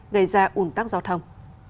gây ra ủn tắc giao thông